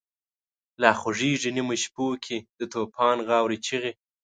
لا خوریږی نیمو شپو کی، دتوفان غاوری چیغی